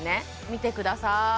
見てください